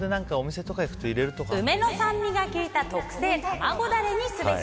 梅の酸味がきいた特製卵ダレにすべし。